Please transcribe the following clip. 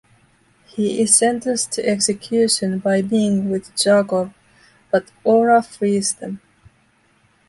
He is sentenced to execution by Ming with Zarkov, but Aura frees them.